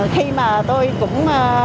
khi mà tôi cũng